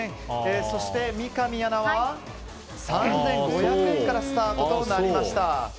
そして三上アナは３５００円からスタートとなりました。